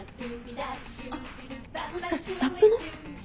あっもしかしてサップの？